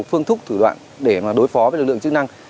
phương thức thủ đoạn để đối phó với lực lượng chức năng